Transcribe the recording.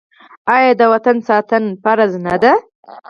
آیا د وطن ساتنه فرض نه ده؟